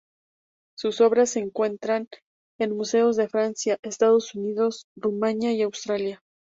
Sus obras se encuentran en museos de Francia, Estados Unidos, Rumanía y Australia.